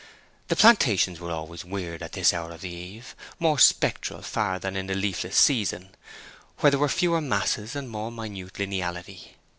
The plantations were always weird at this hour of eve—more spectral far than in the leafless season, when there were fewer masses and more minute lineality.